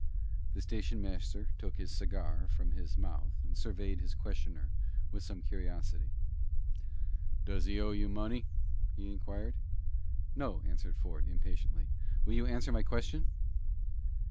The station master took his cigar from his mouth and surveyed his questioner with some curiosity. "Does he owe you money?" he inquired. "No," answered Ford, impatiently. "Will you answer my question?"